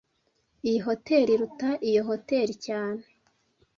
Iyi hoteri iruta iyo hoteri cyane